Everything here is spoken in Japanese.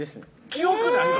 記憶ないの？